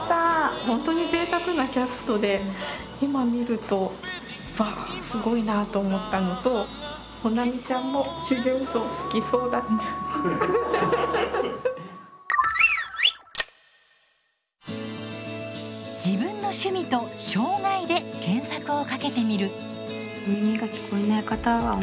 本当にぜいたくなキャストで今観ると「わあすごいな！」と思ったのと保奈美ちゃんも「自分の趣味」と「障がい」で検索をかけてみる。